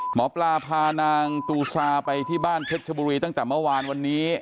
หมอปลาพานางตูซาไปที่บ้านเพชรชบุรีตั้งแต่เมื่อวานวันนี้